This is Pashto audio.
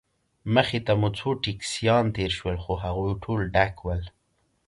مخې ته مو څو ټکسیان تېر شول، خو هغوی ټول ډک ول.